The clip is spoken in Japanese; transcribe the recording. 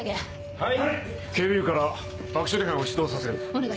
はい！